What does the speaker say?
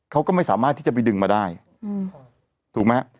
เขาก็ไม่สามารถที่จะไปดึงมาได้ถูกไหมฮะ